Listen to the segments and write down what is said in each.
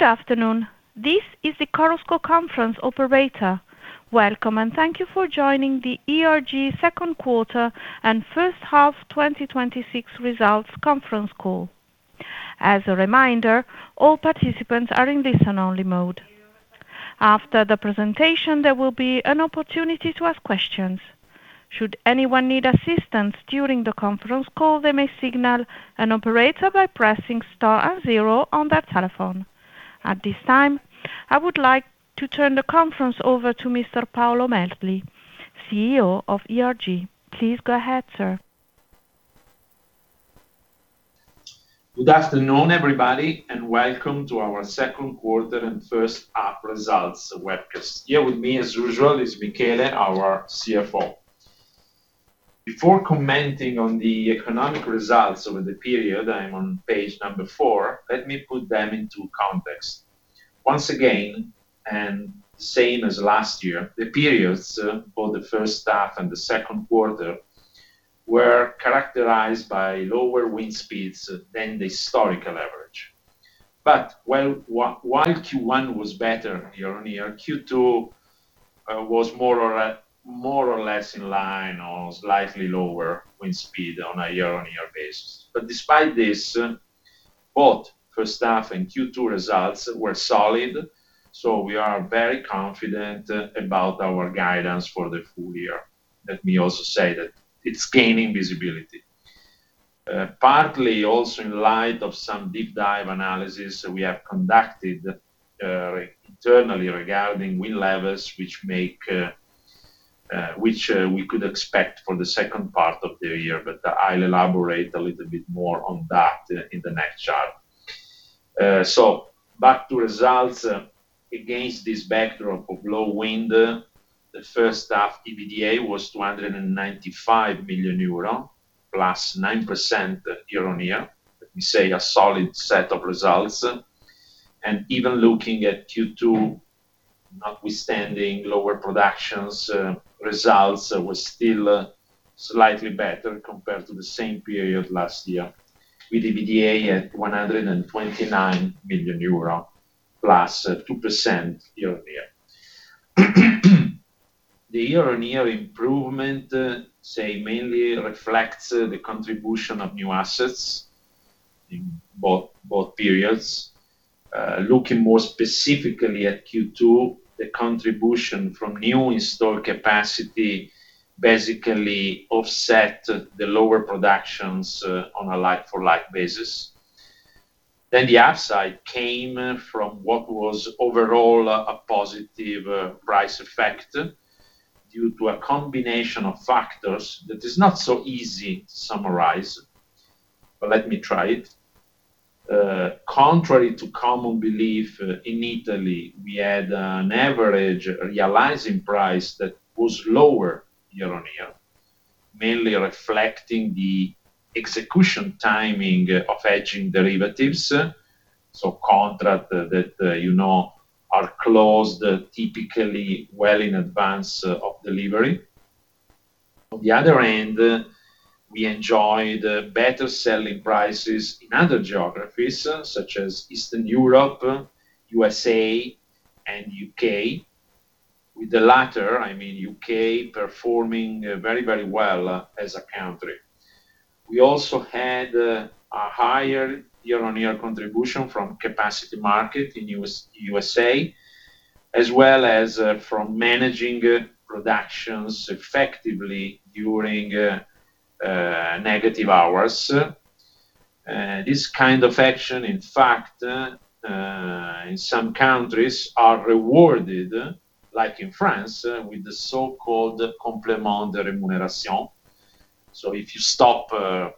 Good afternoon. This is the Chorus Call Conference operator. Welcome and thank you for joining the ERG Second Quarter and First Half 2026 Results Conference Call. As a reminder, all participants are in listen-only mode. After the presentation, there will be an opportunity to ask questions. Should anyone need assistance during the conference call, they may signal an operator by pressing star and zero on their telephone. At this time, I would like to turn the conference over to Mr. Paolo Merli, CEO of ERG. Please go ahead, sir. Good afternoon, everybody, welcome to our second quarter and first half results webcast. Here with me, as usual, is Michele, our CFO. Before commenting on the economic results over the period, I am on page number four, let me put them into context. Once again, same as last year, the periods for the first half and the second quarter were characterized by lower wind speeds than the historical average. While Q1 was better year-on-year, Q2 was more or less in line or slightly lower wind speed on a year-on-year basis. Despite this, both first half and Q2 results were solid, we are very confident about our guidance for the full year. Let me also say that it's gaining visibility. Partly also in light of some deep dive analysis we have conducted internally regarding wind levels which we could expect for the second part of the year, I'll elaborate a little bit more on that in the next chart. Back to results. Against this backdrop of low wind, the first half EBITDA was 295 million euro, +9% year-on-year. Let me say, a solid set of results. Even looking at Q2, notwithstanding lower productions, results were still slightly better compared to the same period last year, with EBITDA at 129 million euro, +2% year-on-year. The year-on-year improvement mainly reflects the contribution of new assets in both periods. Looking more specifically at Q2, the contribution from new installed capacity basically offset the lower productions on a like-for-like basis. The upside came from what was overall a positive price effect due to a combination of factors that is not so easy to summarize, let me try it. Contrary to common belief, in Italy, we had an average realizing price that was lower year-on-year, mainly reflecting the execution timing of hedging derivatives. Contract that you know are closed typically well in advance of delivery. On the other end, we enjoyed better selling prices in other geographies, such as Eastern Europe, U.S.A., and U.K., with the latter, I mean U.K., performing very well as a country. We also had a higher year-on-year contribution from capacity market in U.S.A., as well as from managing productions effectively during negative hours. This kind of action, in fact, in some countries are rewarded, like in France, with the so-called complément de rémunération. If you stop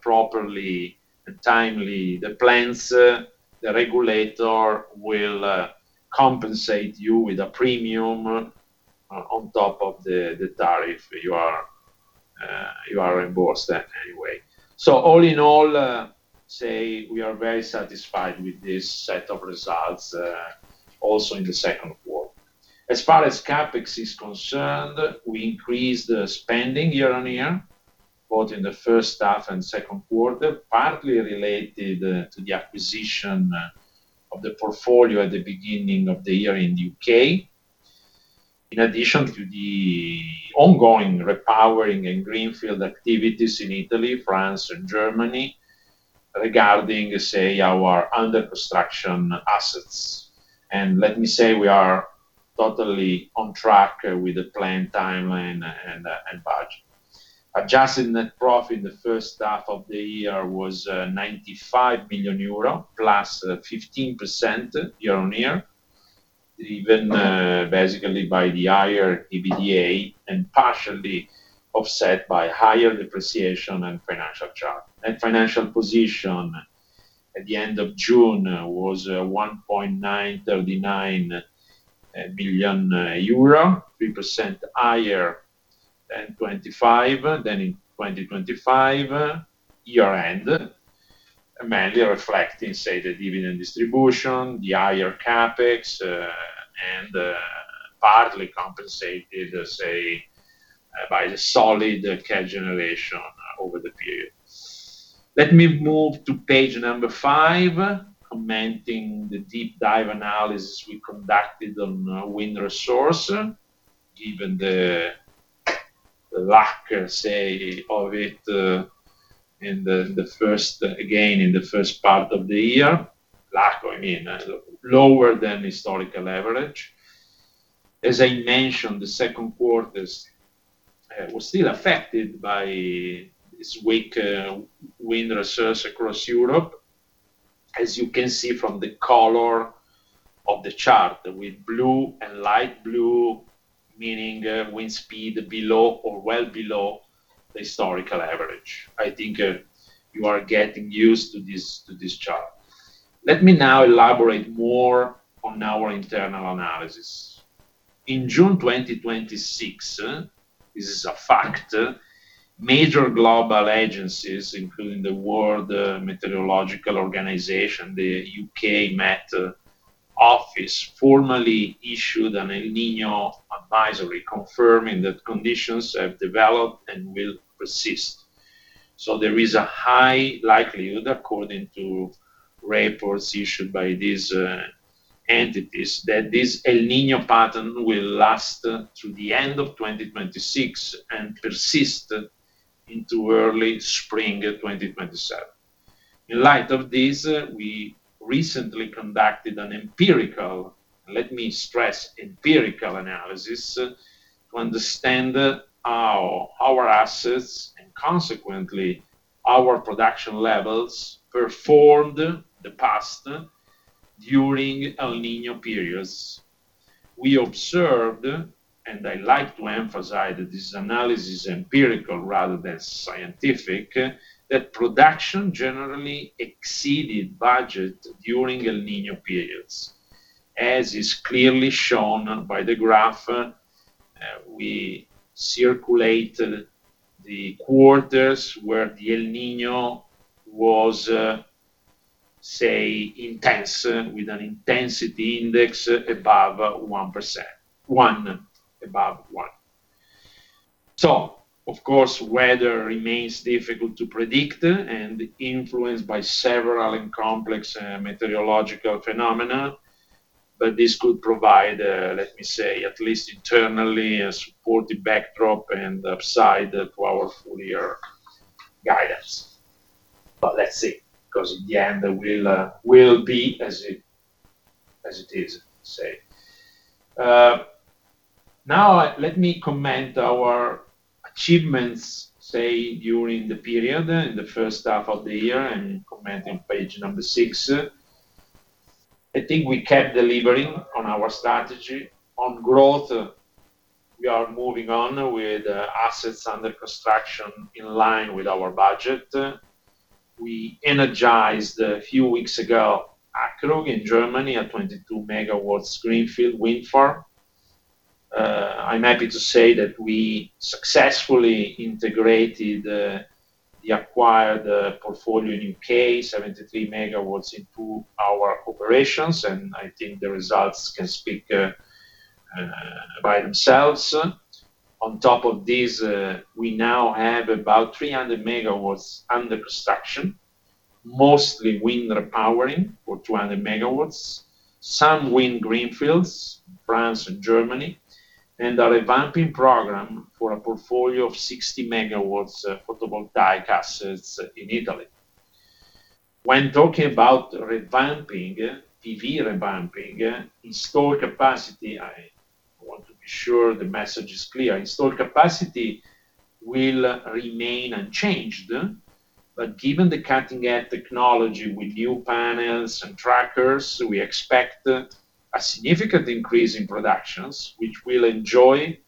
properly and timely the plants, the regulator will compensate you with a premium on top of the tariff. You are reimbursed anyway. All in all, we are very satisfied with this set of results also in the second quarter. As far as CapEx is concerned, we increased spending year-on-year, both in the first half and second quarter, partly related to the acquisition of the portfolio at the beginning of the year in U.K. In addition to the ongoing repowering and greenfield activities in Italy, France and Germany regarding our under-construction assets. Let me say we are totally on track with the planned timeline and budget. Adjusted net profit in the first half of the year was 95 million euro, +15% year-on-year, driven basically by the higher EBITDA and partially offset by higher depreciation and financial charge. Net financial position at the end of June was 1.939 billion euro, 3% higher than in 2025 year-end, mainly reflecting the dividend distribution, the higher CapEx, and partly compensated by the solid cash generation over the period. Let me move to page number five, commenting the deep dive analysis we conducted on wind resource. Given the lack, say of it again in the first part of the year. Lack, I mean lower than historical average. As I mentioned, the second quarter was still affected by this weak wind resource across Europe. As you can see from the color of the chart with blue and light blue meaning wind speed below or well below the historical average. I think you are getting used to this chart. Let me now elaborate more on our internal analysis. In June 2026, this is a fact, major global agencies, including the World Meteorological Organization, the U.K. Met Office, formally issued an El Niño advisory confirming that conditions have developed and will persist. There is a high likelihood, according to reports issued by these entities, that this El Niño pattern will last through the end of 2026 and persist into early spring of 2027. In light of this, we recently conducted an empirical, and let me stress empirical analysis to understand how our assets and consequently our production levels performed the past during El Niño periods. We observed, and I like to emphasize that this analysis is empirical rather than scientific, that production generally exceeded budget during El Niño periods, as is clearly shown by the graph. We circulated the quarters where the El Niño was, say, intense with an intensity index above 1%. One. Above one. Of course, weather remains difficult to predict and influenced by several and complex meteorological phenomena, but this could provide, let me say, at least internally, a supportive backdrop and upside to our full-year guidance. Let's see, because in the end, will be as it is, say. Let me comment our achievements, say, during the period in the first half of the year and commenting page number six. I think we kept delivering on our strategy. On growth, we are moving on with assets under construction in line with our budget. We energized a few weeks ago, Aukrug in Germany, a 22.4 MW greenfield wind farm. I am happy to say that we successfully integrated the acquired portfolio in U.K., 73 MW into our operations, and I think the results can speak by themselves. On top of this, we now have about 300 MW under construction, mostly wind repowering for 200 MW, some wind greenfields, France and Germany, and a revamping program for a portfolio of 60 MW photovoltaic assets in Italy. When talking about revamping, PV revamping, installed capacity, I want to be sure the message is clear. Installed capacity will remain unchanged, but given the cutting-edge technology with new panels and trackers, we expect a significant increase in productions, which will enjoy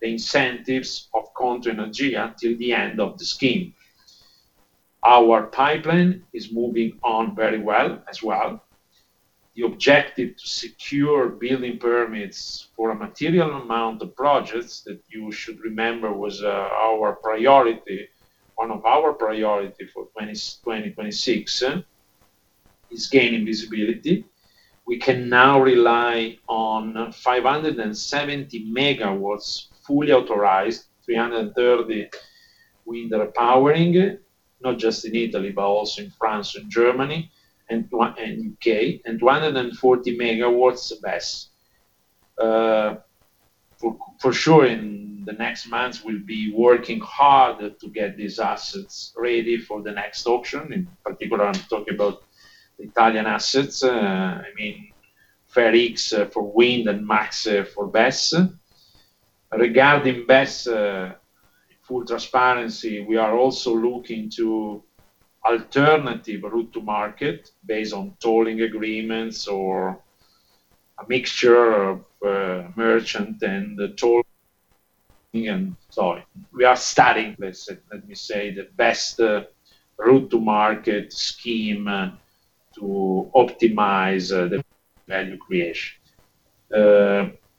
the incentives of Conto Energia till the end of the scheme. Our pipeline is moving on very well as well. The objective to secure building permits for a material amount of projects that you should remember was one of our priority for 2026 is gaining visibility. We can now rely on 570 MW fully authorized, 330 wind repowering, not just in Italy, but also in France and Germany and U.K., and 140 MW BESS. For sure, in the next months, we will be working hard to get these assets ready for the next auction. In particular, I am talking about Italian assets. I mean, FER-X for wind and MACSE for BESS. Regarding BESS, full transparency, we are also looking to alternative route to market based on tolling agreements or a mixture of merchant and the tolling and Sorry. We are studying, let me say, the best route to market scheme to optimize the value creation.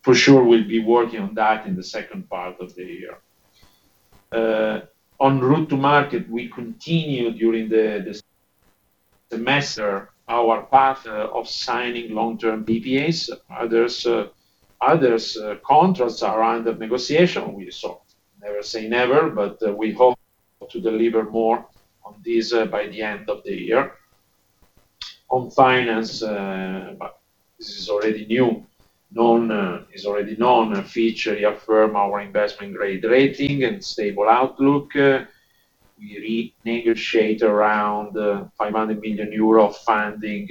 For sure, we will be working on that in the second part of the year. On route to market, we continued during the summer to master our path of signing long-term PPAs. Other contracts are under negotiation. We never say never, but we hope to deliver more on this by the end of the year. On finance, this is already known. Fitch reaffirmed our investment-grade rating and stable outlook. We renegotiate around 500 million euro funding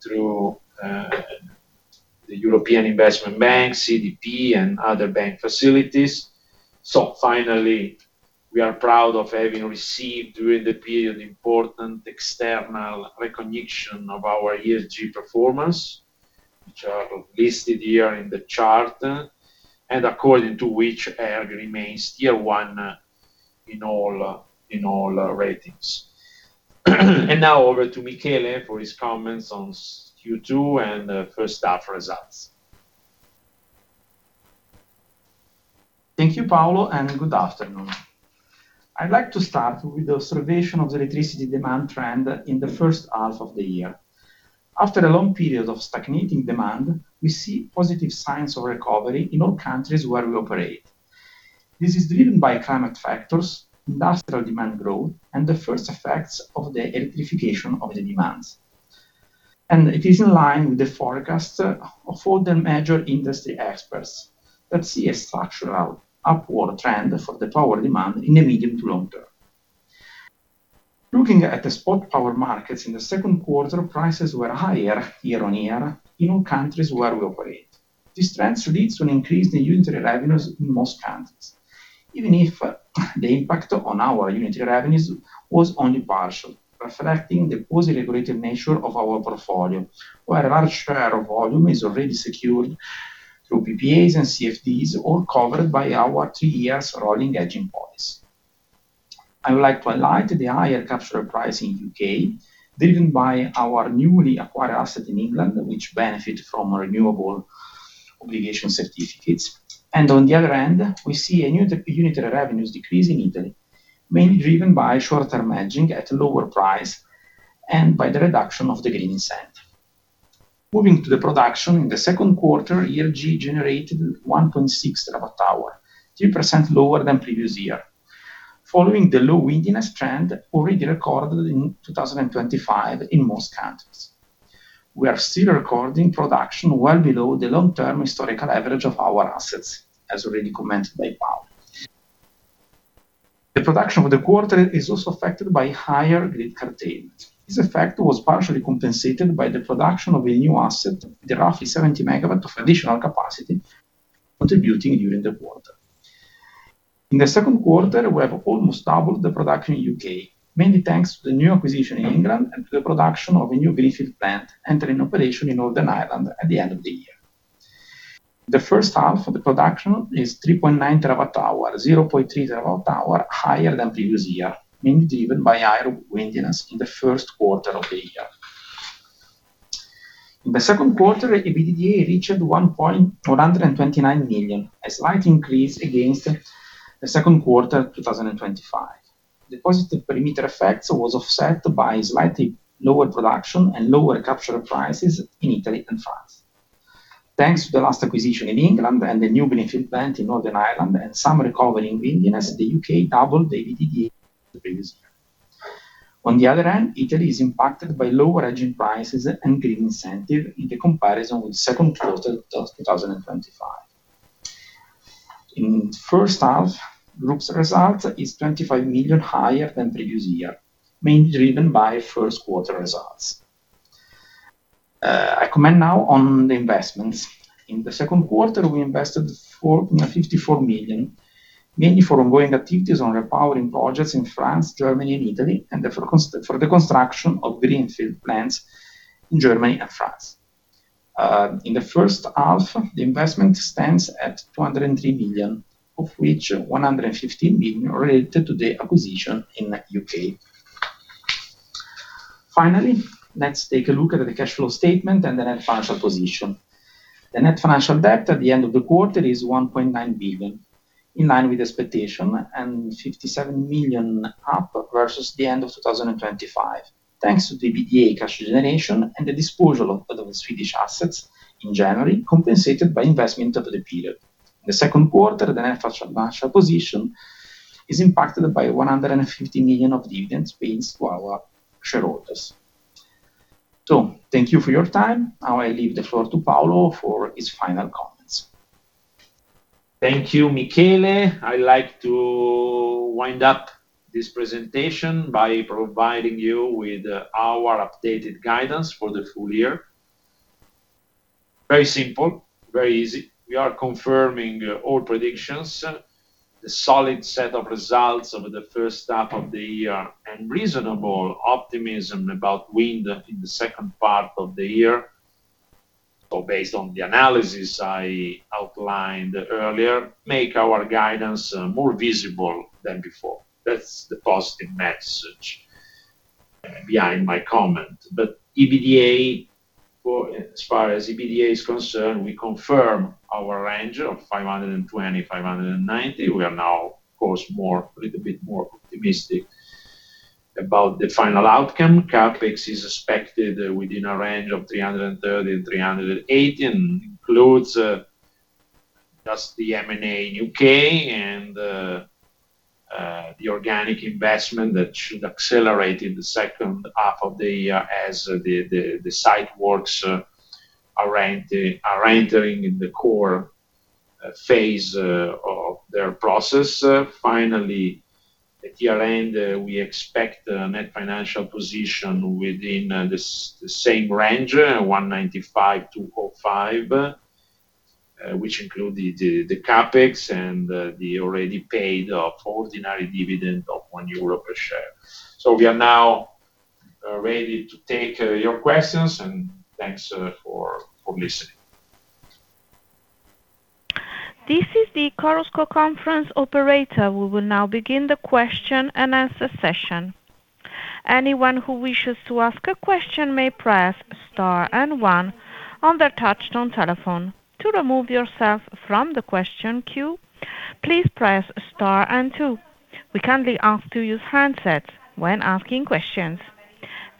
through the European Investment Bank, CDP, and other bank facilities. So finally, we are proud of having received, during the period, important external recognition of our ESG performance, which are listed here in the chart, and according to which ERG remains Tier 1 in all ratings. Now over to Michele for his comments on Q2 and first half results. Thank you, Paolo, and good afternoon. I would like to start with the observation of the electricity demand trend in the first half of the year. After a long period of stagnating demand, we see positive signs of recovery in all countries where we operate. This is driven by climate factors, industrial demand growth, and the first effects of the electrification of the demands. It is in line with the forecast of all the major industry experts that see a structural upward trend for the power demand in the medium to long term. Looking at the spot power markets in the second quarter, prices were higher year-on-year in all countries where we operate. This trend leads to an increase in unit revenues in most countries, even if the impact on our unit revenues was only partial, reflecting the positive regulatory nature of our portfolio, where a large share of volume is already secured through PPAs and CFDs all covered by our three years rolling hedging policy. I would like to highlight the higher capture price in the U.K., driven by our newly acquired asset in England, which benefit from Renewable Obligation Certificates. On the other end, we see a unit revenues decrease in Italy, mainly driven by shorter hedging at a lower price and by the reduction of the green incentive. Moving to the production in the second quarter, ERG generated 1.6 TWh, 3% lower than previous year, following the low windiness trend already recorded in 2025 in most countries. We are still recording production well below the long-term historical average of our assets, as already commented by Paolo. The production for the quarter is also affected by higher grid curtailment. This effect was partially compensated by the production of a new asset with roughly 70 MW of additional capacity contributing during the quarter. In the second quarter, we have almost doubled the production in the U.K., mainly thanks to the new acquisition in England and to the production of a new greenfield plant entering operation in Northern Ireland at the end of the year. The first half of the production is 3.9 TWh, 0.3 TWh higher than previous year, mainly driven by higher windiness in the first quarter of the year. In the second quarter, EBITDA reached 129 million, a slight increase against the second quarter of 2025. The positive perimeter effects was offset by slightly lower production and lower capture prices in Italy and France. Thanks to the last acquisition in England and the new greenfield plant in Northern Ireland and some recovery in windiness, the U.K. doubled the EBITDA the previous year. On the other hand, Italy is impacted by lower hedging prices and green incentive in the comparison with second quarter 2025. In the first half, group's result is 25 million higher than previous year, mainly driven by first quarter results. I comment now on the investments. In the second quarter, I invested 54 million, mainly for ongoing activities on repowering projects in France, Germany, and Italy, and for the construction of greenfield plants in Germany and France. In the first half, the investment stands at 203 million, of which 115 million related to the acquisition in the U.K. Finally, let's take a look at the cash flow statement and the net financial position. The net financial debt at the end of the quarter is 1.9 billion, in line with expectation, and 57 million up versus the end of 2025, thanks to the EBITDA cash generation and the disposal of the Swedish assets in January, compensated by investment over the period. The second quarter, the net financial position is impacted by 150 million of dividends paid to our shareholders. Thank you for your time. Now I leave the floor to Paolo for his final comments. Thank you, Michele. I'd like to wind up this presentation by providing you with our updated guidance for the full year. Very simple, very easy. We are confirming all predictions. The solid set of results over the first half of the year and reasonable optimism about wind in the second part of the year, or based on the analysis I outlined earlier, make our guidance more visible than before. That's the positive message behind my comment. As far as EBITDA is concerned, we confirm our range of 520 million-590 million. We are now, of course, a little bit more optimistic about the final outcome. CapEx is expected within a range of 330 million-380 million, and includes just the M&A U.K. and the organic investment that should accelerate in the second half of the year as the site works are entering in the core phase of their process. Finally, at year-end, we expect a net financial position within the same range, 1.95 billion-2.05 billion, which include the CapEx and the already paid ordinary dividend of 1 euro per share. We are now ready to take your questions and thanks for listening. This is the Chorus Call Conference Operator. We will now begin the question-and-answer session. Anyone who wishes to ask a question may press star and one on their touch-tone telephone. To remove yourself from the question queue, please press star two. We kindly ask to use handsets when asking questions.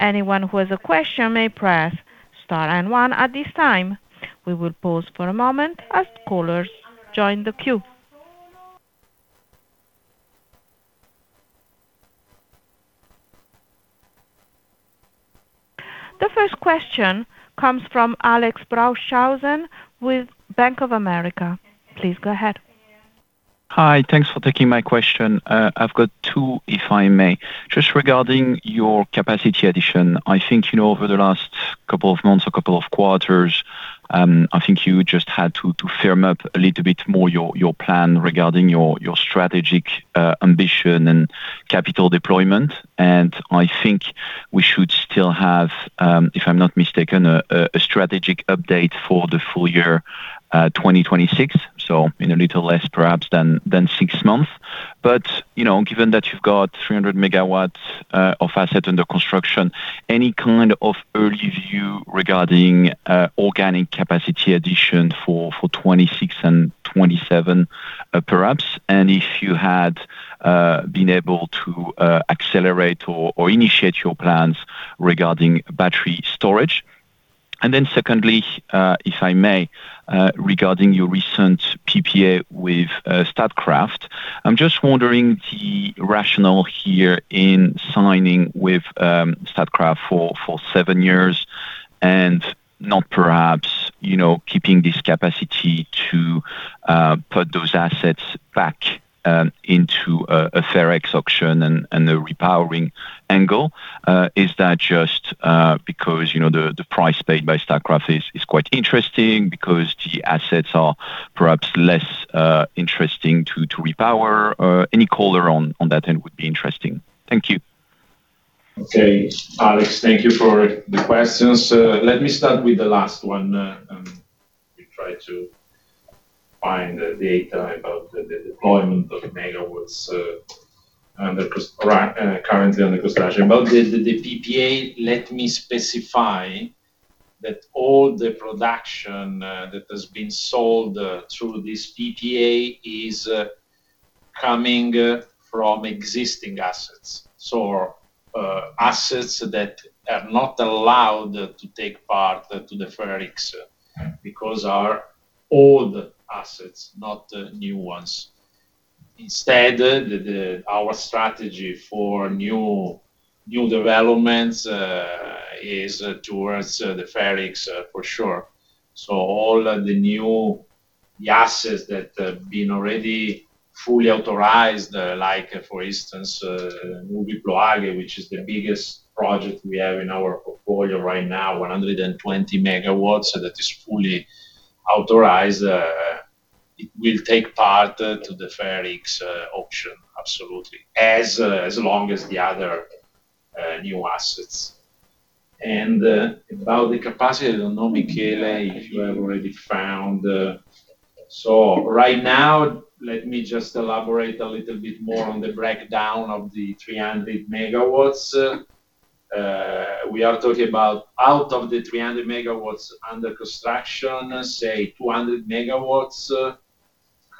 Anyone who has a question may press star and one at this time. We will pause for a moment as callers join the queue. The first question comes from Alex Braunshausen with Bank of America. Please go ahead. Hi. Thanks for taking my question. I've got two, if I may. Just regarding your capacity addition, I think over the last couple of months or couple of quarters, I think you just had to firm up a little bit more your plan regarding your strategic ambition and capital deployment. I think we should still have, if I'm not mistaken, a strategic update for the full year 2026, so in a little less, perhaps, than six months. Given that you've got 300 MW of assets under construction, any kind of early view regarding organic capacity addition for 2026 and 2027 perhaps, and if you had been able to accelerate or initiate your plans regarding battery storage? Secondly, if I may, regarding your recent PPA with Statkraft. I'm just wondering the rationale here in signing with Statkraft for seven years and not perhaps keeping this capacity to put those assets back into a FER-X auction and a repowering angle. Is that just because the price paid by Statkraft is quite interesting because the assets are perhaps less interesting to repower? Any color on that end would be interesting. Thank you. Okay. Alex, thank you for the questions. Let me start with the last one. Let me try to find data about the deployment of megawatts currently under construction. About the PPA, let me specify that all the production that has been sold through this PPA is coming from existing assets. Assets that are not allowed to take part to the FER-X because are old assets, not new ones. Instead, our strategy for new developments is towards the FER-X, for sure. All the new assets that have been already fully authorized, like, for instance, Nulvi-Ploaghe which is the biggest project we have in our portfolio right now, 120 MW, that is fully authorized. It will take part to the FER-X auction, absolutely, as long as the other new assets. About the capacity, I don't know, Michele, if you have already found. Right now, let me just elaborate a little bit more on the breakdown of the 300 MW. We are talking about out of the 300 MW under construction, say 200 MW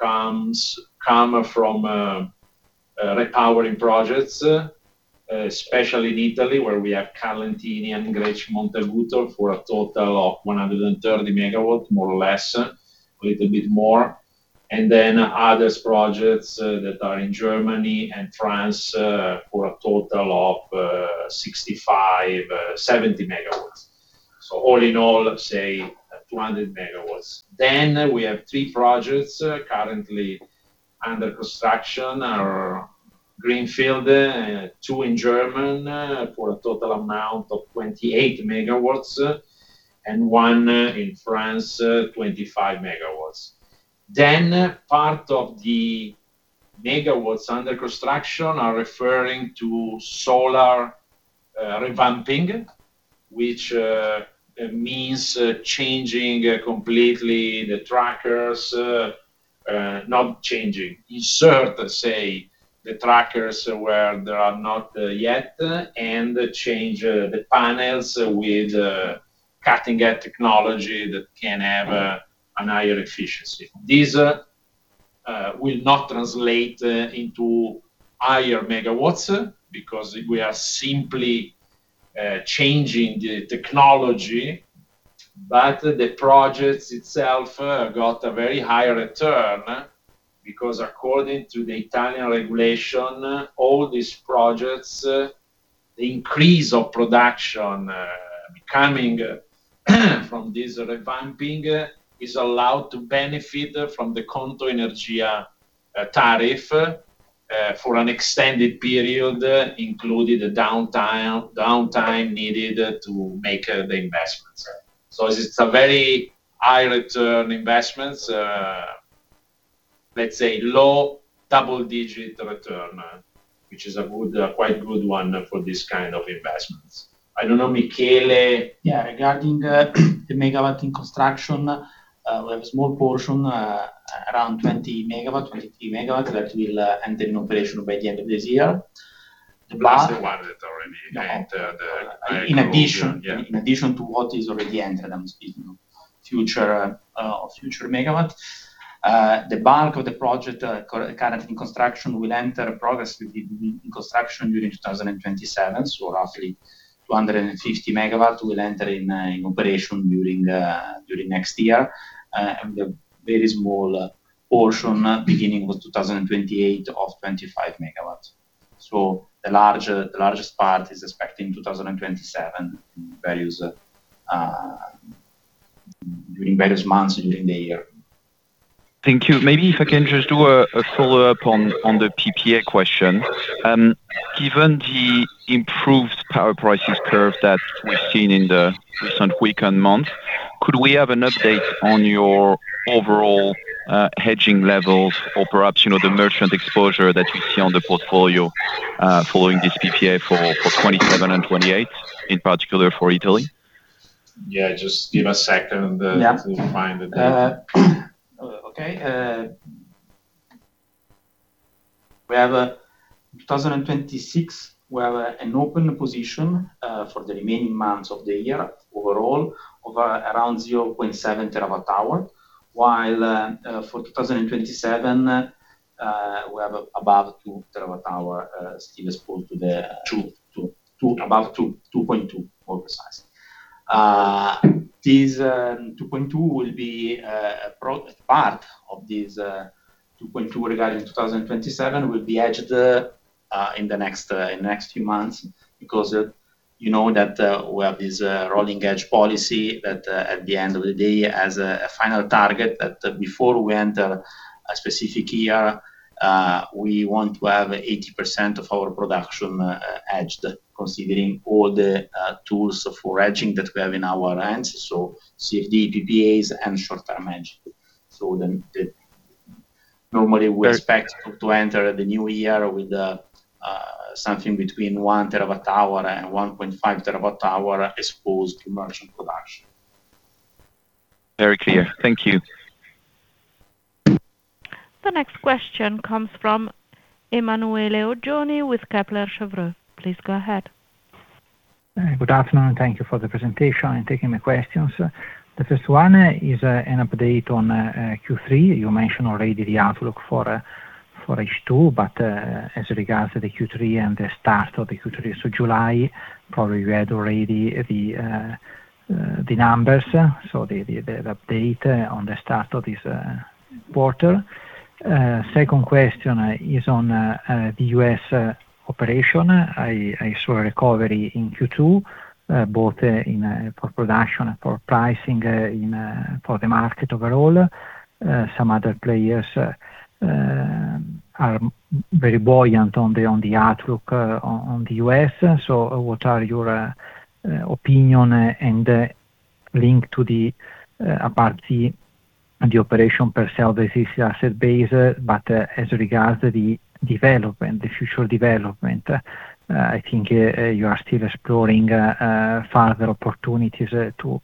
come from repowering projects, especially in Italy, where we have Carlentini and Greci-Montaguto for a total of 130 MW, more or less, a little bit more. Others projects that are in Germany and France for a total of 65-70 MW. All in all, say 200 MW. We have three projects currently under construction or greenfield, two in German for a total amount of 28 MW and one in France, 25 MW. Part of the megawatts under construction are referring to solar revamping, which means changing completely the trackers. Insert, let's say, the trackers where there are not yet, and change the panels with cutting-edge technology that can have a higher efficiency. These will not translate into higher megawatts, because we are simply changing the technology. The project itself got a very high return, because according to the Italian regulation, all these projects, the increase of production coming from this revamping is allowed to benefit from the Conto Energia tariff for an extended period, including the downtime needed to make the investments. It's a very high return investments. Let's say low double-digit return, which is a quite good one for this kind of investments. I don't know, Michele? Yeah. Regarding the megawatt in construction, we have a small portion, around 20 MW-23 MW, that will enter in operation by the end of this year. Plus the one that already entered the. In addition. Yeah In addition to what is already entered, I'm speaking of future megawatts. The bulk of the project currently in construction will enter progress in construction during 2027. Roughly 250 MW will enter in operation during next year. A very small portion beginning with 2028 of 25 MW. The largest part is expecting 2027 during various months during the year. Thank you. Maybe if I can just do a follow-up on the PPA question. Given the improved power prices curve that we've seen in the recent week and month, could we have an update on your overall hedging levels or perhaps, the merchant exposure that you see on the portfolio following this PPA for 2027 and 2028, in particular for Italy? Yeah, just give a second. Yeah to find the data. Okay. We have, 2026, we have an open position for the remaining months of the year overall of around 0.7 TWh, while for 2027, we have above 2.2 TWh still exposed. 2.2 TWh Above 2.2 TWh, more precise. This 2.2 TWh will be a part of this 2.2 TWh regarding 2027 will be hedged in the next few months because you know that we have this rolling hedge policy that, at the end of the day, has a final target that before we enter a specific year, we want to have 80% of our production hedged, considering all the tools for hedging that we have in our hands. CFD, PPAs, and short-term hedging. Normally we expect to enter the new year with something between 1 TWh and 1.5 TWh exposed to merchant production. Very clear. Thank you. The next question comes from Emanuele Oggioni with Kepler Cheuvreux. Please go ahead. Good afternoon, and thank you for the presentation and taking the questions. The first one is an update on Q3. You mentioned already the outlook for H2, but as regards to the Q3 and the start of the Q3, July, probably you had already the numbers, the update on the start of this quarter. Second question is on the U.S. operation. I saw a recovery in Q2, both for production, for pricing, for the market overall. Some other players are very buoyant on the outlook on the U.S. What are your opinion and link to the, apart the operation per se of the U.S. asset base, but as regards the future development? I think you are still exploring further opportunities to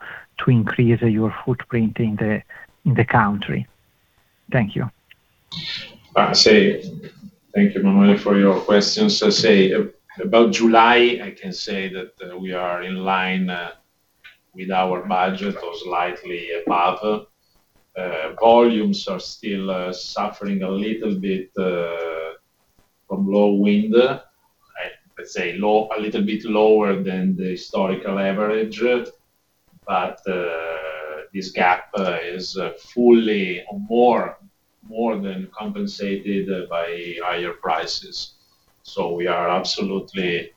increase your footprint in the country. Thank you. Thank you, Emanuele, for your questions. About July, I can say that we are in line with our budget or slightly above. Volumes are still suffering a little bit from low wind. Let's say a little bit lower than the historical average. This gap is fully more than compensated by higher prices. We are absolutely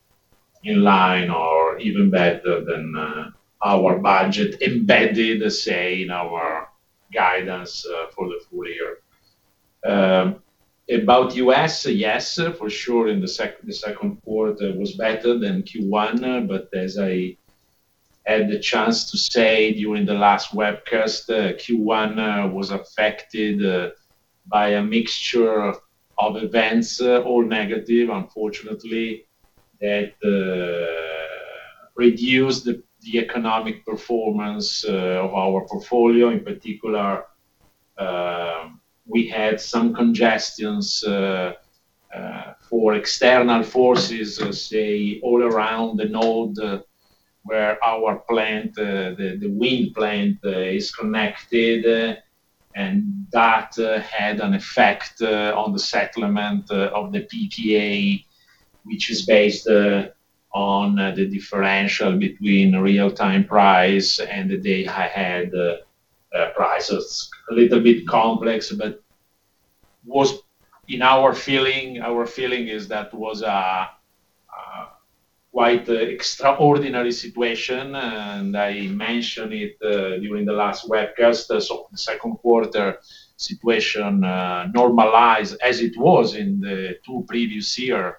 in line or even better than our budget embedded, say, in our guidance for the full year. About U.S., yes, for sure in the second quarter was better than Q1. As I had the chance to say during the last webcast, Q1 was affected by a mixture of events, all negative, unfortunately, that reduce the economic performance of our portfolio. In particular, we had some congestions for external forces, let's say, all around the node where our wind plant is connected, and that had an effect on the settlement of the PTA, which is based on the differential between real-time price and the day-ahead price. It's a little bit complex, but our feeling is that was a quite extraordinary situation, and I mentioned it during the last webcast. The second quarter situation normalized as it was in the two previous year,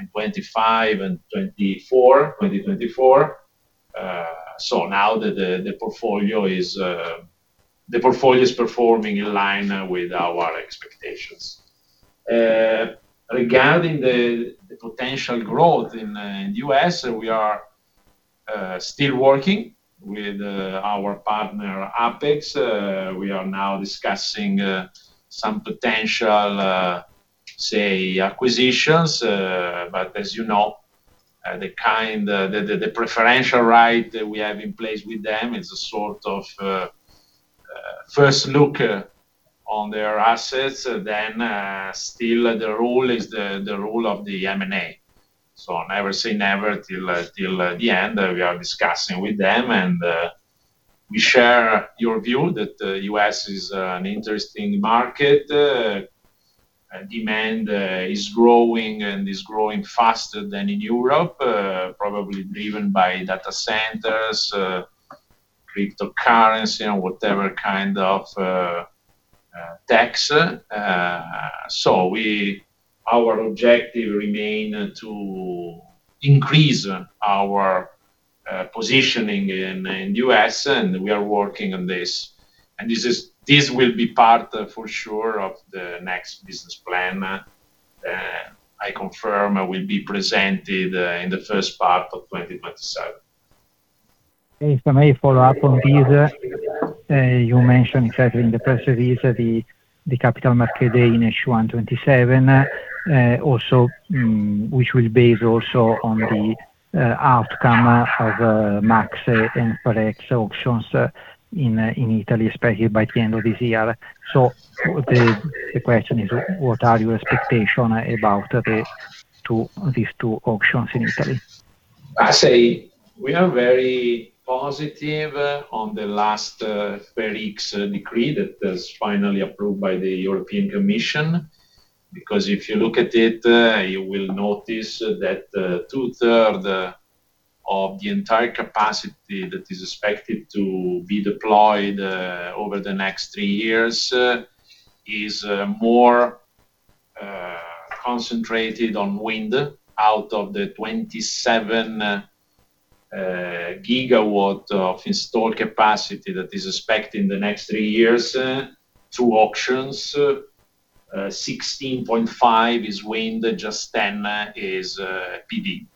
in 2025 and 2024. Now the portfolio is performing in line with our expectations. Regarding the potential growth in the U.S., we are still working with our partner, Apex Clean Energy. We are now discussing some potential acquisitions. As you know, the preferential right that we have in place with them is a sort of first look on their assets, then still the rule is the rule of the M&A. Never say never till the end. We are discussing with them, and we share your view that U.S. is an interesting market. Demand is growing and is growing faster than in Europe, probably driven by data centers, cryptocurrency, and whatever kind of techs. Our objective remain to increase our positioning in U.S., and we are working on this. This will be part for sure of the next business plan, I confirm, will be presented in the first part of 2027. If I may follow up on this. You mentioned exactly in the press release the capital market day in H1 2027, which will base also on the outcome of MACSE and FER-X auctions in Italy, especially by the end of this year. The question is, what are your expectation about these two auctions in Italy? I say we are very positive on the last FER-X decree that was finally approved by the European Commission, because if you look at it, you will notice that two-third of the entire capacity that is expected to be deployed over the next three years is more concentrated on wind out of the 27 GW of installed capacity that is expected in the next three years. Two auctions, 16.5 GW is wind, just 10 GW is PV.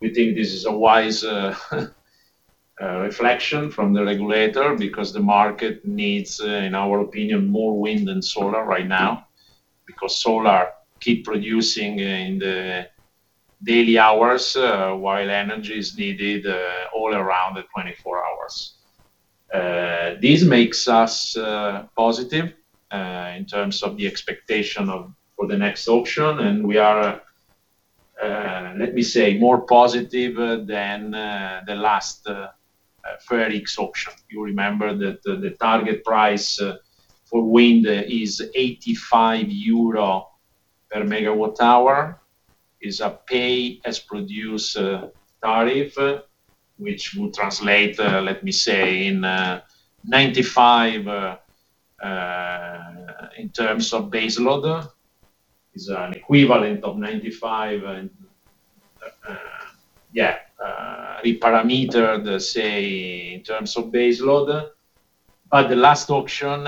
We think this is a wise reflection from the regulator because the market needs, in our opinion, more wind than solar right now, because solar keep producing in the daily hours, while energy is needed all around the 24 hours. This makes us positive in terms of the expectation for the next auction. We are, let me say, more positive than the last FER-X auction. You remember that the target price for wind is 85 euro per megawatt hour, is a pay-as-produced tariff, which would translate, let me say, in 95 in terms of baseload. Is an equivalent of 95 and reparameter, say, in terms of baseload. The last auction,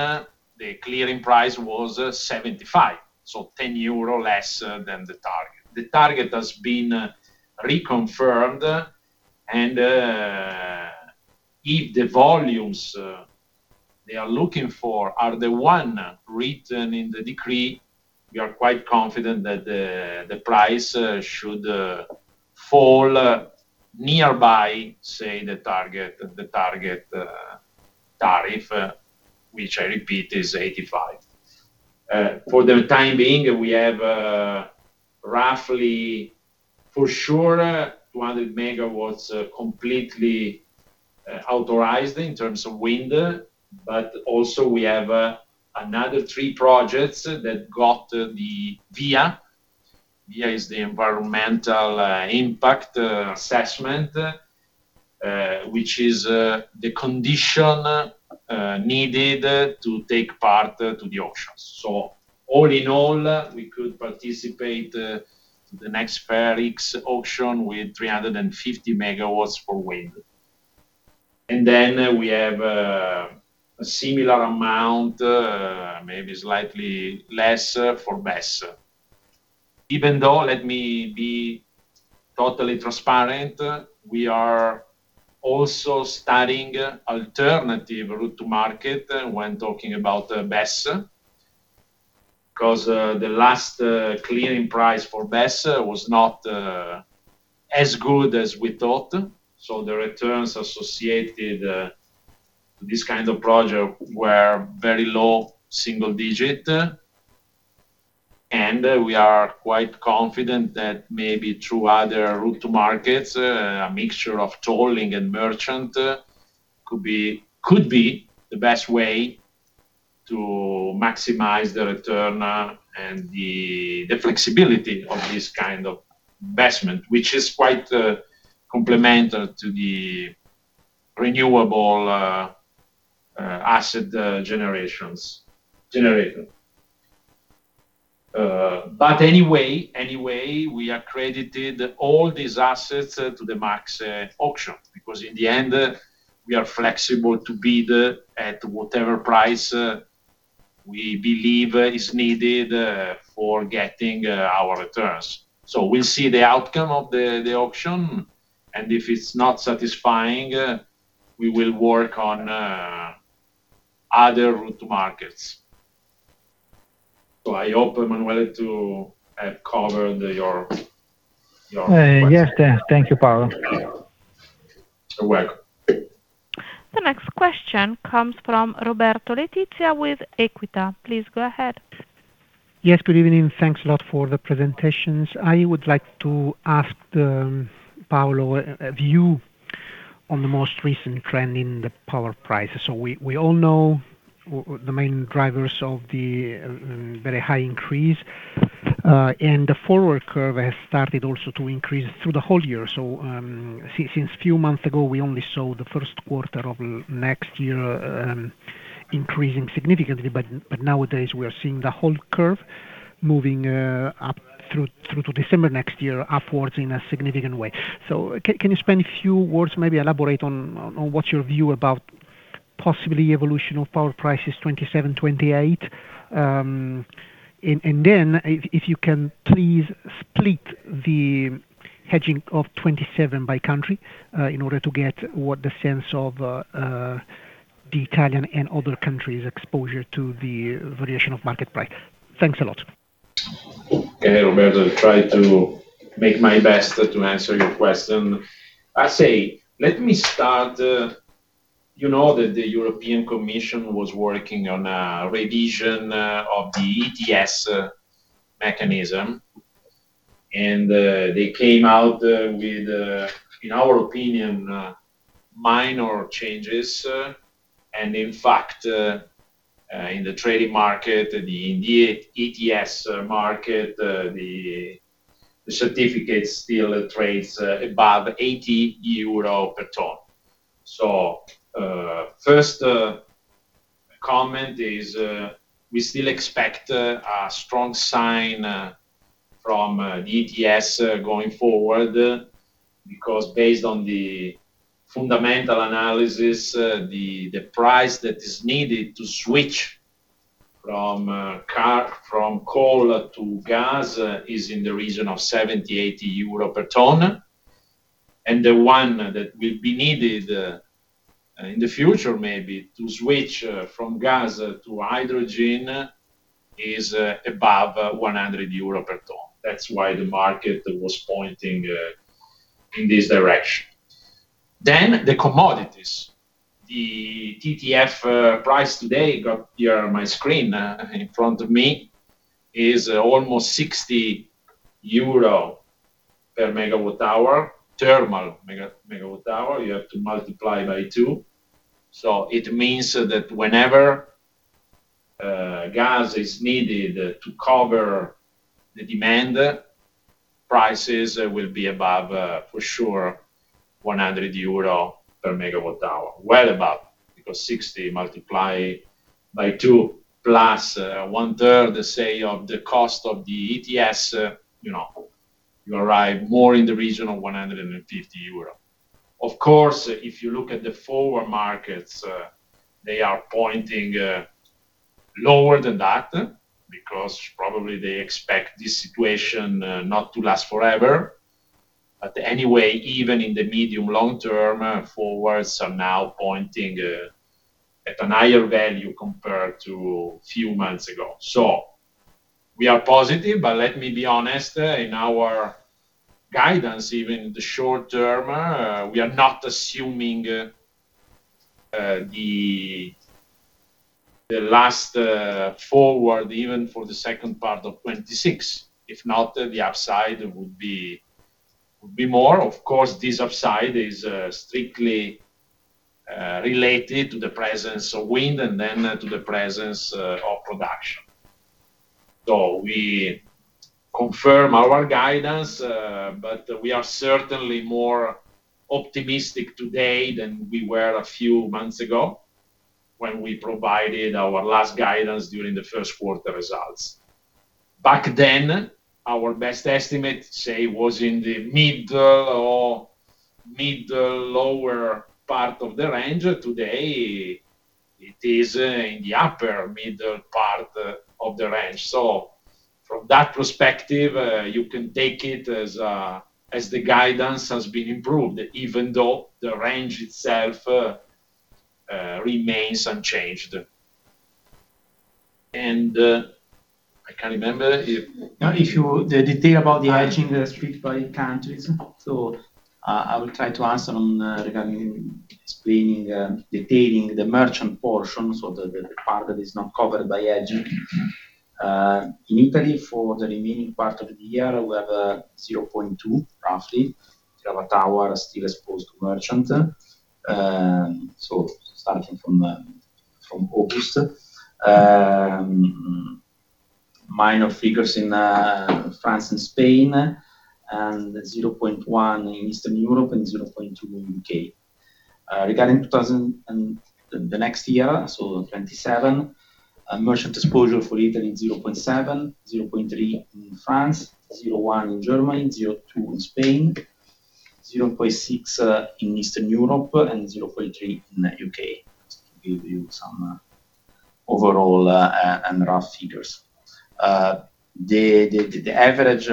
the clearing price was 75, so 10 euro less than the target. The target has been reconfirmed. If the volumes they are looking for are the one written in the decree, we are quite confident that the price should fall nearby, say, the target tariff, which I repeat, is 85. For the time being, we have roughly for sure 200 MW completely authorized in terms of wind. Also we have another three projects that got the VIA. VIA is the environmental impact assessment, which is the condition needed to take part to the auctions. All in all, we could participate the next FER-X auction with 350 MW for wind. We have a similar amount, maybe slightly less for BESS. Even though, let me be totally transparent, we are also studying alternative route to market when talking about BESS, because the last clearing price for BESS was not as good as we thought. The returns associated to this kind of project were very low single digit. We are quite confident that maybe through other route to markets, a mixture of tolling and merchant could be the best way to maximize the return and the flexibility of this kind of investment, which is quite complementary to the renewable asset generated. Anyway, we accredited all these assets to the MACSE auction because in the end, we are flexible to bid at whatever price we believe is needed for getting our returns. We'll see the outcome of the auction, and if it's not satisfying, we will work on other route to markets. I hope, Emanuele, to have covered your question. Yes. Thank you, Paolo. You're welcome. The next question comes from Roberto Letizia with Equita. Please go ahead. Yes, good evening. Thanks a lot for the presentations. I would like to ask Paolo, a view on the most recent trend in the power prices. We all know the main drivers of the very high increase. The forward curve has started also to increase through the whole year. Since few months ago, we only saw the first quarter of 2025 increasing significantly. Nowadays, we are seeing the whole curve moving up through to December 2025, upwards in a significant way. Can you spend a few words, maybe elaborate on what's your view about possibly evolution of power prices 2027/2028? If you can please split the hedging of 2027 by country, in order to get what the sense of the Italian and other countries exposure to the variation of market price. Thanks a lot. Okay, Roberto. I try to make my best to answer your question. I say, let me start. You know that the European Commission was working on a revision of the ETS mechanism, and they came out with, in our opinion, minor changes. In fact, in the trading market, the ETS market, the certificate still trades above 80 euro per ton. First comment is, we still expect a strong sign from the ETS going forward because based on the fundamental analysis, the price that is needed to switch from coal to gas is in the region of 70-80 euro per ton. The one that will be needed, in the future maybe, to switch from gas to hydrogen is above 100 euro per ton. That's why the market was pointing in this direction. The commodities. The TTF price today got here on my screen in front of me, is almost 60 euro/MWh, thermal megawatt hour, you have to multiply by two. So it means that whenever gas is needed to cover the demand, prices will be above, for sure, 100 euro/MWh. Well above, because 60 multiply by two plus 1/3, say, of the cost of the ETS, you arrive more in the region of 150 euro. Of course, if you look at the forward markets, they are pointing lower than that because probably they expect this situation not to last forever. But anyway, even in the medium long term, forwards are now pointing at an higher value compared to few months ago. We are positive, but let me be honest, in our guidance, even in the short term, we are not assuming the last forward, even for the second part of 2026. If not, the upside would be more. Of course, this upside is strictly related to the presence of wind and then to the presence of production. So we confirm our guidance, but we are certainly more optimistic today than we were a few months ago when we provided our last guidance during the first quarter results. Back then, our best estimate, say, was in the middle or middle-lower part of the range. Today, it is in the upper middle part of the range. So from that perspective, you can take it as the guidance has been improved, even though the range itself remains unchanged. And I can't remember if- No, if you The detail about the hedging split by countries. So I will try to answer regarding explaining, detailing the merchant portion, so the part that is not covered by hedging. In Italy, for the remaining part of the year, we have 0.2 GWh roughly still exposed to merchant. So starting from August. Minor figures in France and Spain, and 0.1 in Eastern Europe and 0.2 in UK. Regarding [2026] and the next year, so 2027, merchant exposure for Italy is 0.7, 0.3 in France, 0.1 in Germany, 0.2 in Spain, 0.6 in Eastern Europe, and 0.3 in the U.K., to give you some overall and rough figures. The average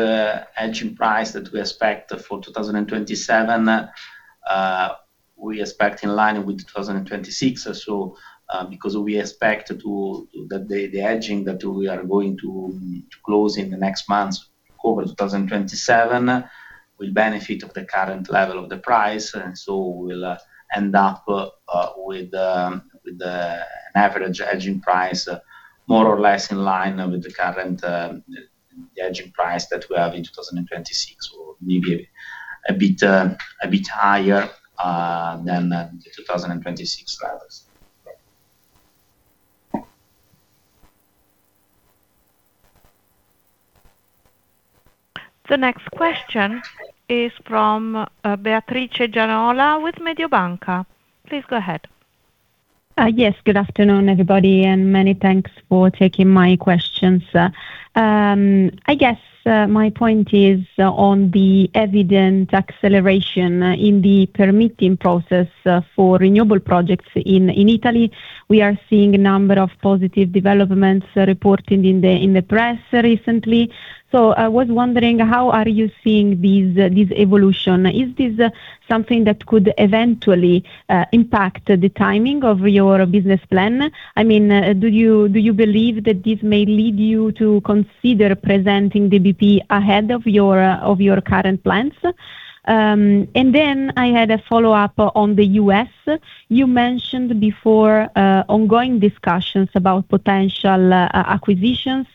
hedging price that we expect for 2027, we expect in line with 2026 or so, because we expect that the hedging that we are going to close in the next months over 2027 will benefit of the current level of the price. We will end up with an average hedging price more or less in line with the current hedging price that we have in 2026, or maybe a bit higher than the 2026 levels. The next question is from Beatrice Gianola with Mediobanca. Please go ahead. Yes. Good afternoon, everybody, and many thanks for taking my questions. I guess my point is on the evident acceleration in the permitting process for renewable projects in Italy. We are seeing a number of positive developments reported in the press recently. I was wondering, how are you seeing this evolution? Is this something that could eventually impact the timing of your business plan? Do you believe that this may lead you to consider presenting the BP ahead of your current plans? I had a follow-up on the U.S. You mentioned before ongoing discussions about potential acquisitions.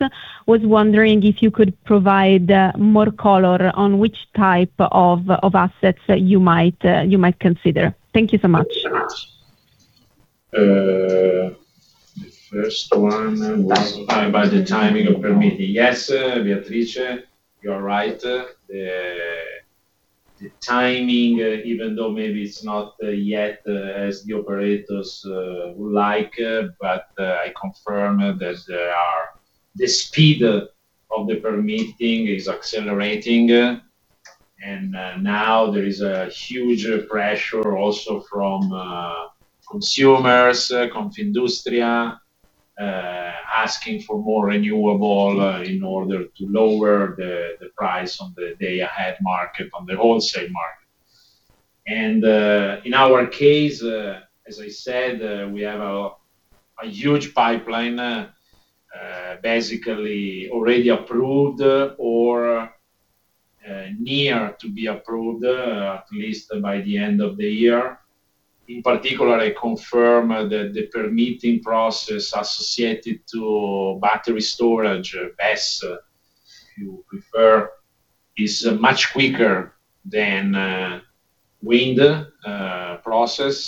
Was wondering if you could provide more color on which type of assets you might consider. Thank you so much. The first one was by the timing of permitting. Yes, Beatrice, you're right. The timing, even though maybe it's not yet as the operators would like, but I confirm that the speed of the permitting is accelerating, and now there is a huge pressure also from consumers, Confindustria, asking for more renewable in order to lower the price on the day ahead market, on the wholesale market. In our case, as I said, we have a huge pipeline basically already approved or near to be approved, at least by the end of the year. In particular, I confirm that the permitting process associated to battery storage, BESS, if you prefer, is much quicker than wind process.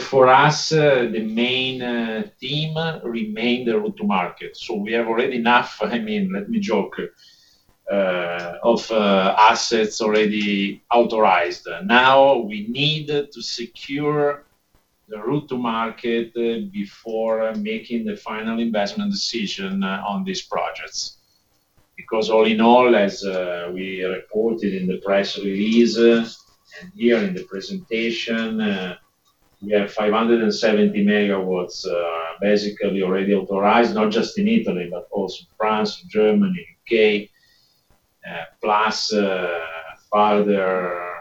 For us, the main theme remain the route to market. We have already enough, let me joke, of assets already authorized. We need to secure the route to market before making the final investment decision on these projects. All in all, as we reported in the press release and here in the presentation, we have 570 MW basically already authorized, not just in Italy, but also France, Germany, U.K. Further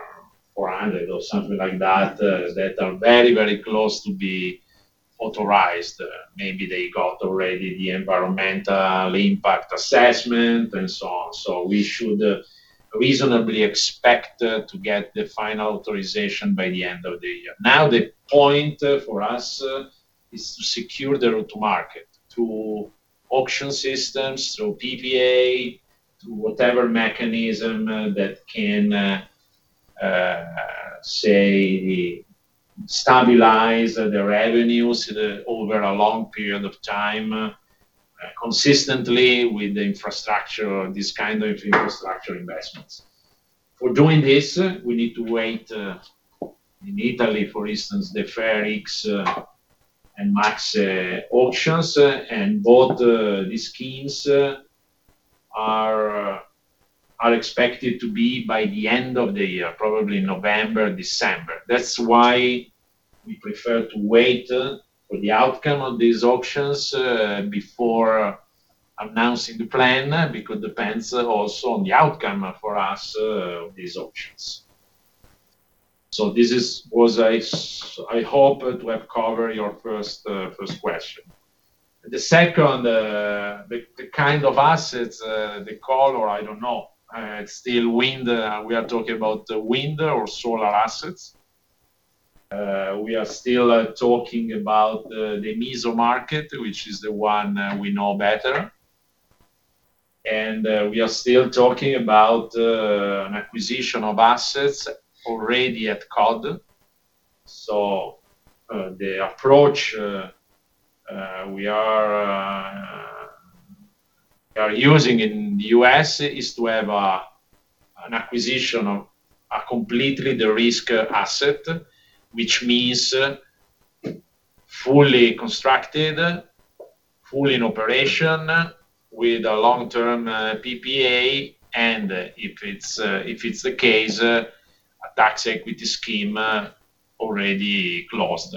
400 MW or something like that are very, very close to be authorized. Maybe they got already the environmental impact assessment and so on. We should reasonably expect to get the final authorization by the end of the year. The point for us is to secure the route to market, through auction systems, through PPA, through whatever mechanism that can, say, stabilize the revenues over a long period of time consistently with the infrastructure, this kind of infrastructure investments. For doing this, we need to wait in Italy, for instance, the FER-X and MACSE auctions. Both these schemes are expected to be by the end of the year, probably November, December. We prefer to wait for the outcome of these auctions before announcing the plan, because it depends also on the outcome for us of these auctions. This is was I hope to have covered your first question. The second, the kind of assets, the call or I don't know, still wind, we are talking about wind or solar assets. We are still talking about the MISO market, which is the one we know better. We are still talking about an acquisition of assets already at COD. The approach we are using in the U.S. is to have an acquisition of a completely de-risked asset, which means fully constructed, fully in operation with a long-term PPA, and if it's the case, a tax equity scheme already closed.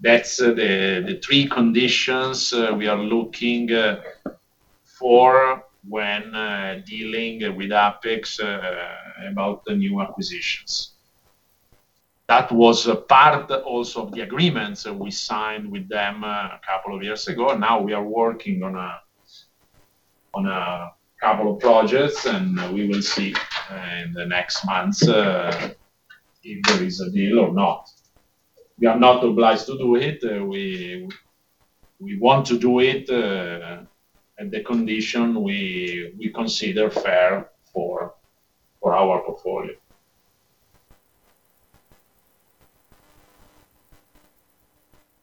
That's the three conditions we are looking for when dealing with Apex about the new acquisitions. That was a part also of the agreements we signed with them a couple of years ago. We are working on a couple of projects, and we will see in the next months if there is a deal or not. We are not obliged to do it. We want to do it at the condition we consider fair for our portfolio.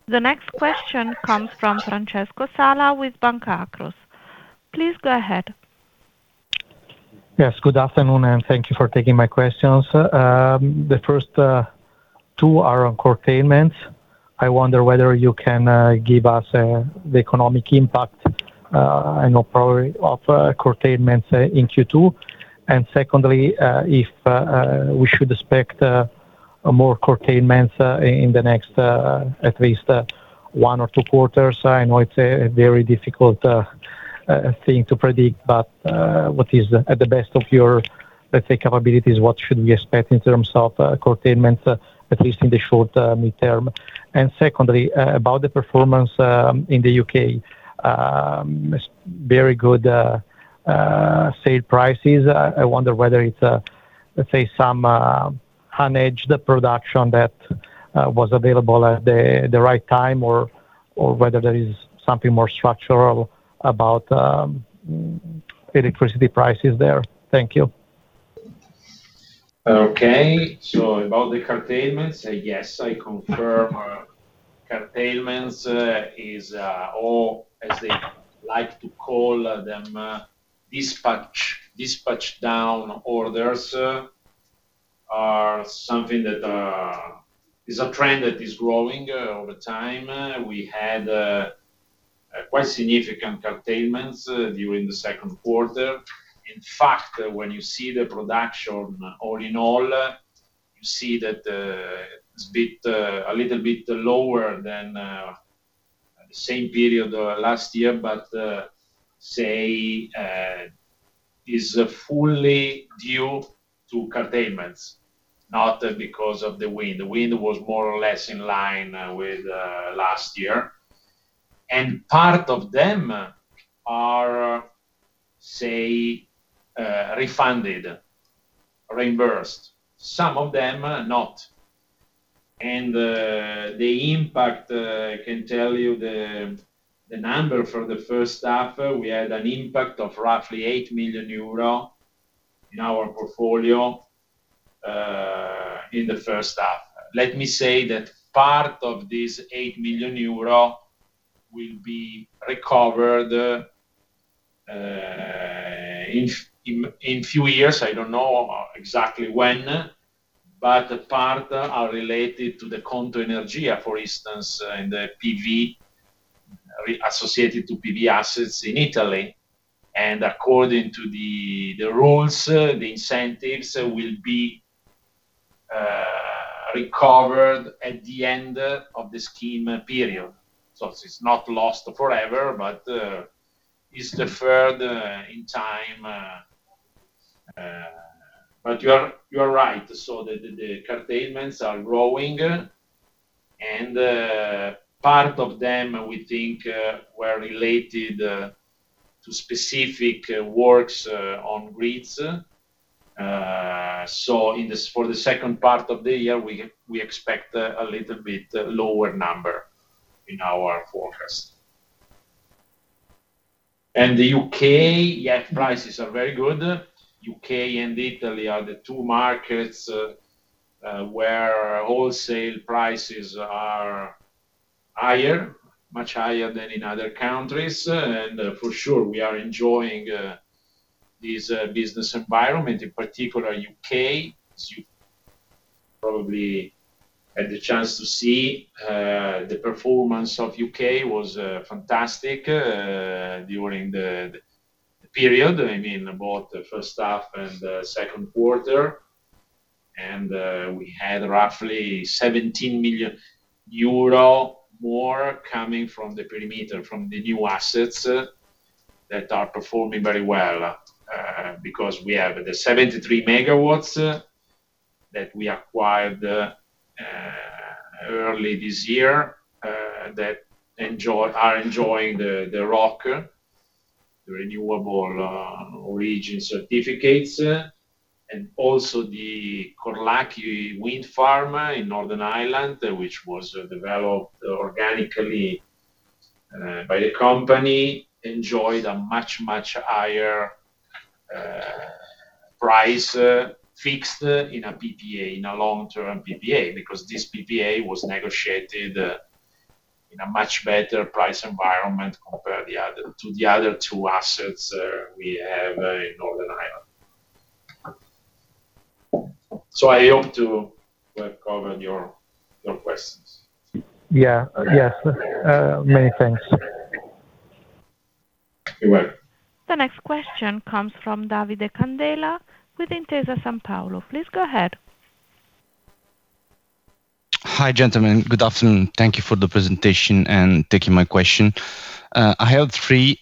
The next question comes from Francesco Sala with Banca Akros. Please go ahead. Yes, good afternoon, thank you for taking my questions. The first two are on curtailments. I wonder whether you can give us the economic impact and probably of curtailments in Q2. Secondly, if we should expect more curtailments in the next at least one or two quarters. I know it's a very difficult thing to predict, but what is at the best of your, let's say, capabilities, what should we expect in terms of curtailments, at least in the short-midterm? Secondly, about the performance in the U.K. Very good sale prices. I wonder whether it's, let's say, some unhedged production that was available at the right time or whether there is something more structural about electricity prices there. Thank you. Okay. About the curtailments, yes, I confirm curtailments is, or as they like to call them, dispatch down orders are something that is a trend that is growing over time. We had quite significant curtailments during the second quarter. In fact, when you see the production all in all, you see that it's a little bit lower than the same period of last year, but say is fully due to curtailments, not because of the wind. Wind was more or less in line with last year. Part of them are, say, refunded, reimbursed. Some of them are not. The impact, I can tell you the number for the first half, we had an impact of roughly 8 million euro in our portfolio in the first half. Let me say that part of this 8 million euro will be recovered in few years, I don't know exactly when, but part are related to the Conto Energia, for instance, in the PV, associated to PV assets in Italy. According to the rules, the incentives will be recovered at the end of the scheme period. It's not lost forever, but it's deferred in time. You are right. The curtailments are growing, and part of them, we think, were related to specific works on grids. For the second part of the year, we expect a little bit lower number in our forecast. The U.K., yeah, prices are very good. U.K. and Italy are the two markets where wholesale prices are higher, much higher than in other countries. For sure, we are enjoying this business environment, in particular U.K. As you probably had the chance to see, the performance of U.K. was fantastic during the period, both the first half and the second quarter. We had roughly 17 million euro more coming from the perimeter, from the new assets that are performing very well, because we have the 73 MW that we acquired early this year, that are enjoying the ROC, the Renewable Obligation Certificates. Also the Corlacky wind farm in Northern Ireland, which was developed organically by the company, enjoyed a much, much higher price fixed in a PPA, in a long-term PPA, because this PPA was negotiated in a much better price environment compared to the other two assets we have in Northern Ireland. I hope to have covered your questions. Yeah. Yes. Many thanks. You're welcome. The next question comes from Davide Candela with Intesa Sanpaolo. Please go ahead. Hi, gentlemen. Good afternoon. Thank you for the presentation and taking my question. I have three.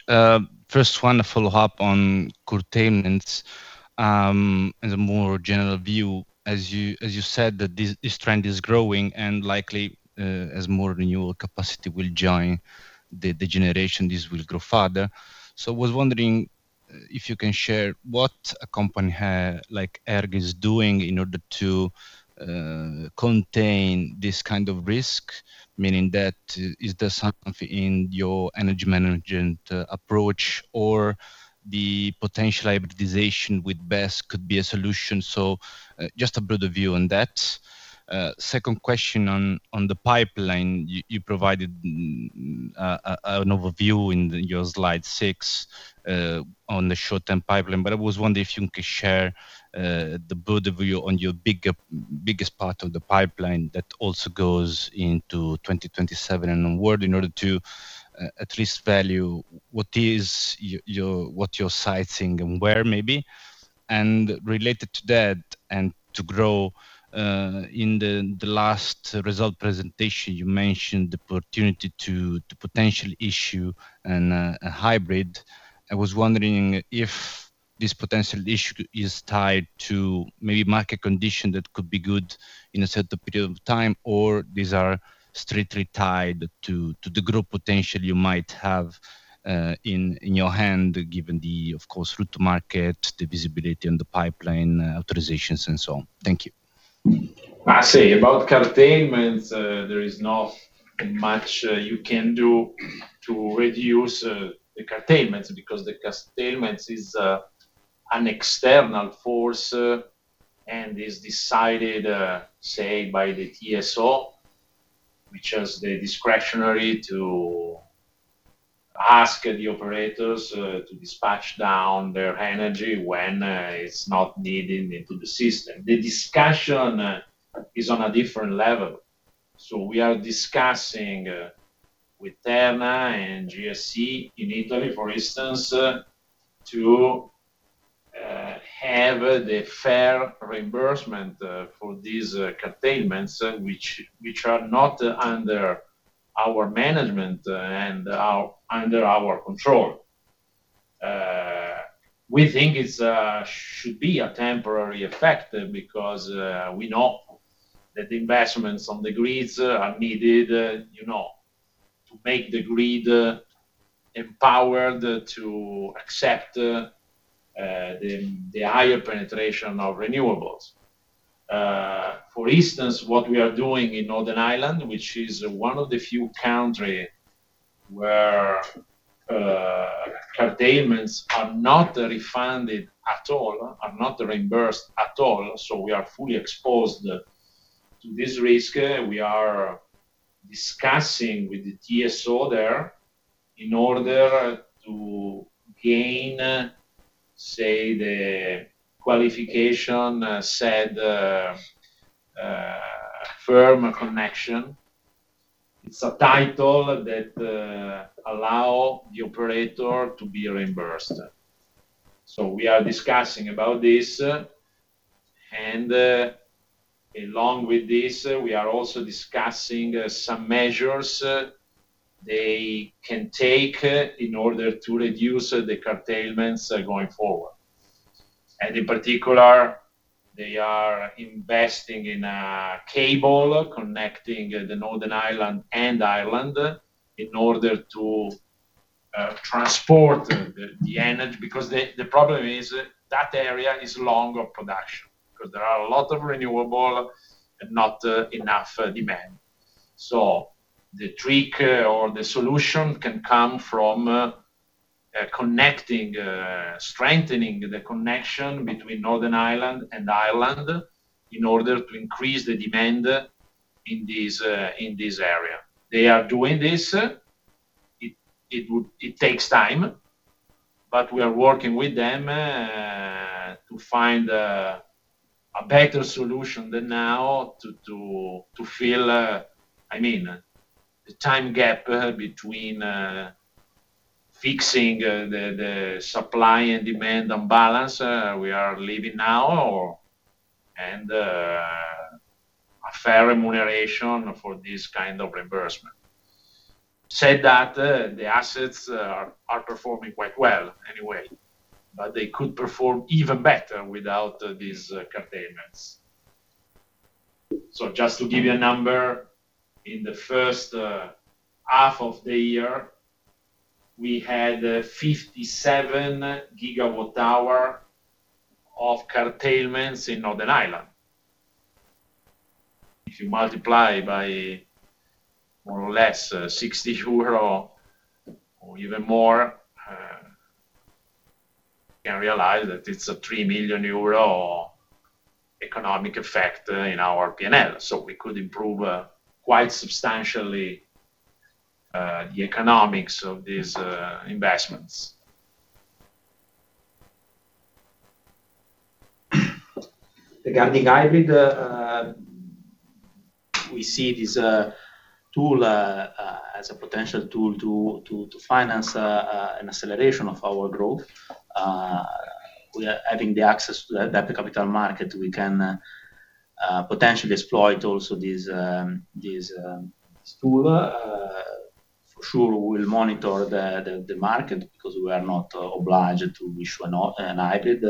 First one, a follow-up on curtailments. As a more general view, as you said that this trend is growing and likely as more renewable capacity will join the generation, this will grow further. I was wondering if you can share what a company like ERG is doing in order to contain this kind of risk, meaning that is there something in your energy management approach or the potential hybridization with BESS could be a solution? Just a broader view on that. Second question on the pipeline. You provided an overview in your slide six, on the short-term pipeline, but I was wondering if you can share the broader view on your biggest part of the pipeline that also goes into 2027 and onward in order to at least value what your siting and where maybe. Related to that and to grow, in the last result presentation, you mentioned the opportunity to potential issue and a hybrid. I was wondering if this potential issue is tied to maybe market condition that could be good in a certain period of time, or these are strictly tied to the growth potential you might have in your hand, given the, of course, route to market, the visibility and the pipeline authorizations and so on. Thank you. About curtailments, there is not much you can do to reduce the curtailments, because the curtailments is an external force and is decided, say, by the TSO, which has the discretionary to ask the operators to dispatch down their energy when it's not needed into the system. The discussion is on a different level. We are discussing with Terna and GSE in Italy, for instance, to have the fair reimbursement for these curtailments, which are not under our management and under our control. We think it should be a temporary effect because we know that the investments on the grids are needed to make the grid empowered to accept the higher penetration of renewables. For instance, what we are doing in Northern Ireland, which is one of the few country where curtailments are not refunded at all, are not reimbursed at all, we are fully exposed to this risk. We are discussing with the TSO there in order to gain, say, the qualification, firm connection. It's a title that allow the operator to be reimbursed. We are discussing about this. Along with this, we are also discussing some measures they can take in order to reduce the curtailments going forward. In particular, they are investing in a cable connecting the Northern Ireland and Ireland in order to transport the energy, because the problem is that area is long on production because there are a lot of renewable and not enough demand. The trick or the solution can come from Connecting, strengthening the connection between Northern Ireland and Ireland in order to increase the demand in this area. They are doing this. It takes time, but we are working with them to find a better solution than now to fill the time gap between fixing the supply and demand imbalance we are living now, and a fair remuneration for this kind of reimbursement. Said that, the assets are performing quite well anyway, but they could perform even better without these curtailments. Just to give you a number, in the first half of the year, we had 57 GWh of curtailments in Northern Ireland. If you multiply by more or less 60 euro or even more, you can realize that it's a 3 million euro economic effect in our P&L. We could improve quite substantially the economics of these investments. Regarding hybrid, we see this as a potential tool to finance an acceleration of our growth. We are having the access to the capital market, we can potentially exploit also this tool. For sure, we'll monitor the market because we are not obliged to issue an hybrid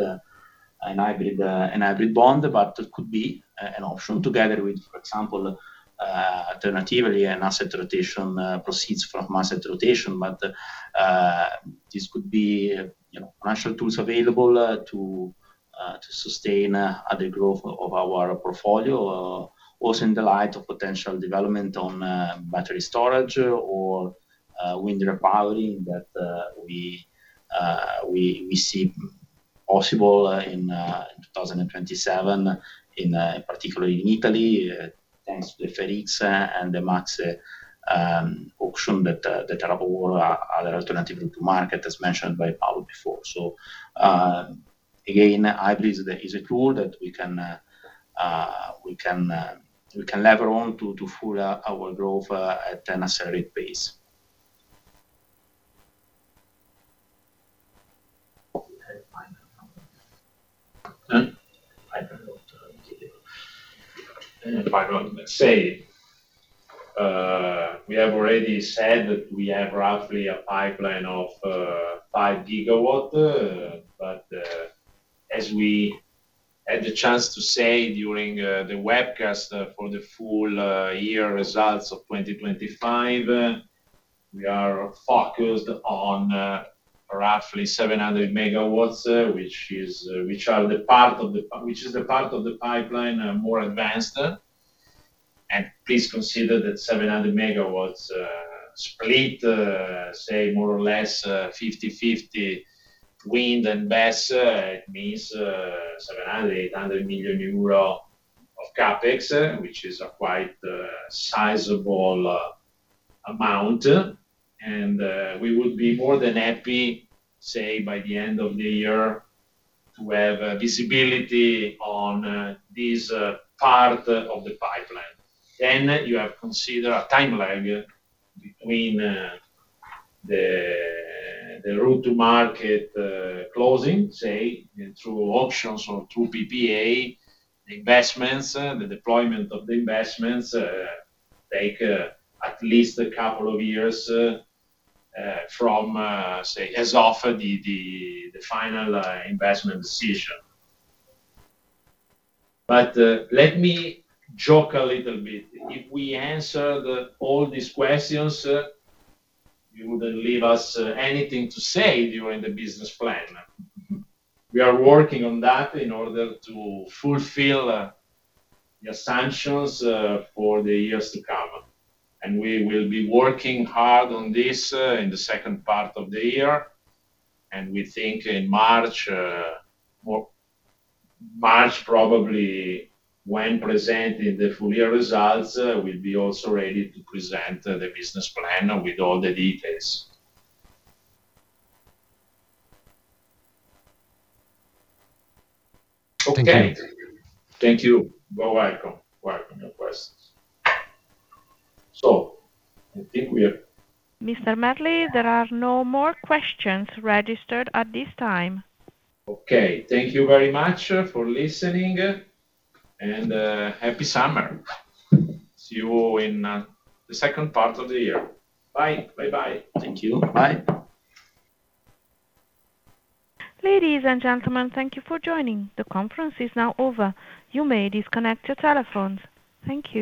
bond, it could be an option together with, for example, alternatively, an asset rotation proceeds from asset rotation. This could be financial tools available to sustain other growth of our portfolio. Also in the light of potential development on battery storage or wind power that we see possible in 2027, particularly in Italy, thanks to the FER-X and the MACSE auction that are other alternative to market, as mentioned by Paolo before. Again, hybrids is a tool that we can lever on to fuel our growth at an accelerated pace. [Pipeline comment]. We have already said that we have roughly a pipeline of 5 GW. As we had the chance to say during the webcast for the full year results of 2025, we are focused on roughly 700 MW, which is the part of the pipeline more advanced. Please consider that 700 MW split, more or less, 50/50 wind and BESS. It means 700 million-800 million euro of CapEx, which is a quite sizable amount. We would be more than happy, by the end of the year, to have visibility on this part of the pipeline. You have consider a time lag between the route to market closing, through options or through PPA investments. The deployment of the investments take at least a couple of years from, say, as of the final investment decision. Let me joke a little bit. If we answer all these questions, you wouldn't leave us anything to say during the business plan. We are working on that in order to fulfill the assumptions for the years to come. We will be working hard on this in the second part of the year. We think in March, probably when presenting the full year results, we'll be also ready to present the business plan with all the details. Okay. Thank you. Thank you. [for your questions]. Mr. Merli, there are no more questions registered at this time. Okay. Thank you very much for listening, and happy summer. See you in the second part of the year. Bye. Bye-bye. Thank you. Bye. Ladies and gentlemen, thank you for joining. The conference is now over. You may disconnect your telephones. Thank you.